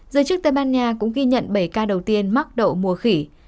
giới chức tây ban nha cũng ghi nhận bảy ca đầu tiên mắc đậu mùa khỉ